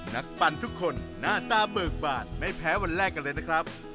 ปันทุกคนหน้าตาเบิกบาดไม่แพ้วันแรกกันเลยนะครับ